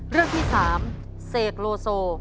เรื่องที่๓เสกโลโซ